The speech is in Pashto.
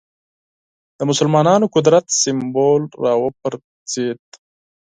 د مسلمانانو قدرت سېمبول راوپرځېد